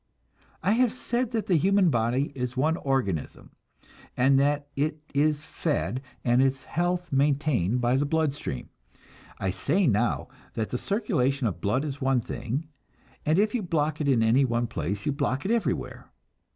I have said that the human body is one organism, and that it is fed and its health maintained by the blood stream; I say now that the circulation of the blood is one thing, and if you block it at any one place, you block it everywhere.